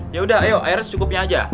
ya udah ayo air secukupnya aja